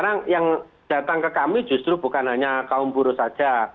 karena yang datang ke kami justru bukan hanya kaum buruh saja